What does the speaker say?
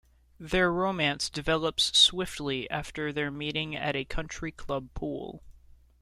Their romance develops swiftly after their meeting at a country-club pool.